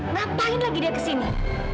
ngapain lagi dia kesini